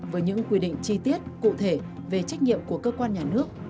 với những quy định chi tiết cụ thể về trách nhiệm của cơ quan nhà nước